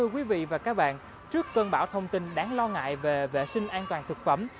quý vị và các bạn trước cơn bão thông tin đáng lo ngại về vệ sinh an toàn thực phẩm